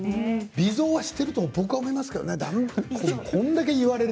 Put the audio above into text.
微増はしていると思いますけどね。